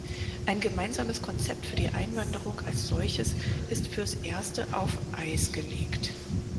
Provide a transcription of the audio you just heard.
Ein gemeinsames Konzept für die Einwanderung als solches ist fürs erste auf Eis gelegt.